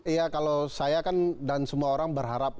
iya kalau saya kan dan semua orang berharap